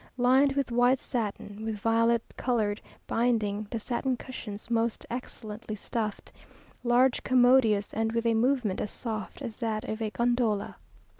lined with white satin with violet coloured binding, the satin cushions most excellently stuffed: large, commodious, and with a movement as soft as that of a gondola.